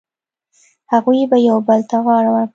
هغوی یو بل ته غاړه ورکړه.